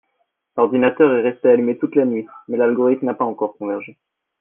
L'ordinateur est resté allumé toute la nuit mais l'algorithme n'a pas encore convergé